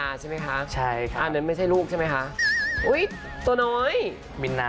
คุณผู้ชมไม่เจนเลยค่ะถ้าลูกคุณออกมาได้มั้ยคะ